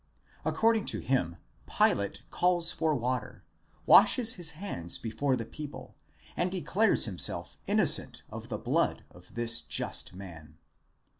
According to him Pilate calls for water, washes his hands before the people, and declares himself innocent of the blood of this just man.